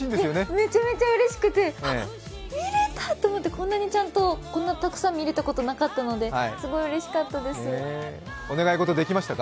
めちゃめちゃうれしくて見れた！と思ってこんなにちゃんとたくさん見れたことなかったのでお願いごとできましたか？